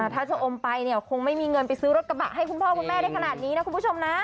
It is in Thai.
ถ้าจะอมไปเนี่ยคงไม่มีเงินไปซื้อรถกระบะให้คุณพ่อคุณแม่ได้ขนาดนี้นะคุณผู้ชมนะ